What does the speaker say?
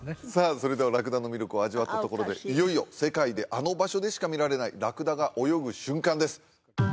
それではラクダのミルクを味わったところでいよいよ世界であの場所でしか見られないラクダが泳ぐ瞬間です